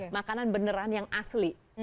makanan beneran yang asli